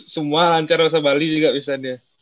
semua lancar masa bali juga bisa dia